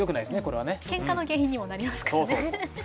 けんかの原因にもなりますからね。